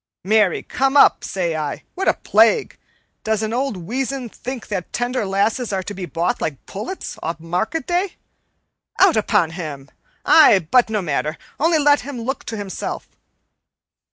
Marry, come up, say I what a plague does an old weazen think that tender lasses are to be bought like pullets o' a market day? Out upon him! I but no matter, only let him look to himself."